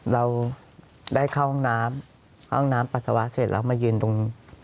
เราได้เข้าห้องน้ำเข้าห้องน้ำปัสสาวะเสร็จแล้วมายืนตรง